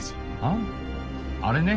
ああれね。